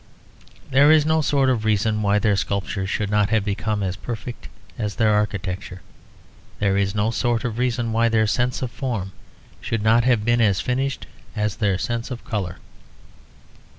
There is no sort of reason why their sculpture should not have become as perfect as their architecture; there is no sort of reason why their sense of form should not have been as finished as their sense of colour.